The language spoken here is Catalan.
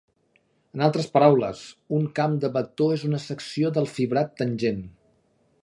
En altres paraules, un camp de vector és una secció del fibrat tangent.